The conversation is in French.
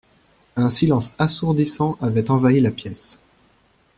Un silence assourdissant avait envahi la pièce.